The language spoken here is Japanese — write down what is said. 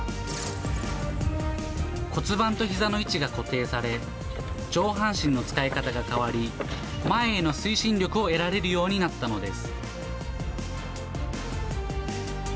骨盤とひざの位置が固定され、上半身の使い方が変わり、前への推進力を得られるようになったのです。